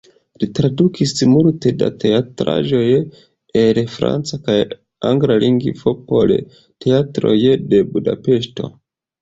Li tradukis multe da teatraĵoj el franca kaj angla lingvoj por teatroj de Budapeŝto.